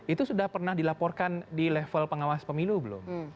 itu sudah pernah dilaporkan di level pengawas pemilu belum